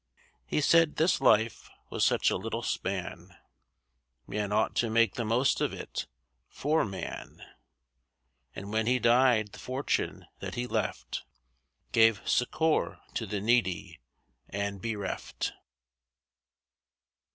He said this life was such a little span Man ought to make the most of it,—for man. And when he died the fortune that he left Gave succour to the needy and bereft.